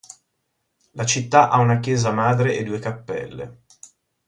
La città ha una chiesa madre e due cappelle.